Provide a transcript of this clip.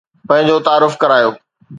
پنهنجو تعارف ڪرايو